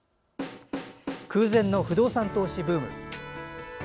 空前の不動産投資ブーム。